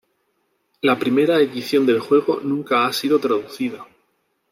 La primera edición del juego nunca ha sido traducida.